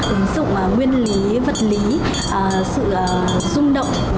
như những nhà cụ thông thường ứng dụng nguyên lý vật lý sự rung động